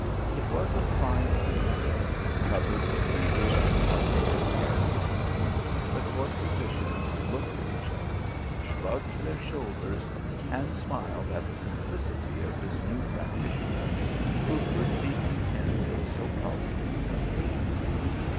It was of fine green silk, covered with Hebrew and Chaldaic characters. The court physicians looked at each other, shrugged their shoulders, and smiled at the simplicity of this new practitioner, who could be content with so paltry a fee.